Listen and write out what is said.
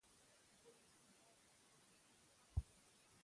پر مبتدا بسنه مه کوه،